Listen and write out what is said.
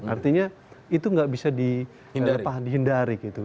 artinya itu nggak bisa dihindari gitu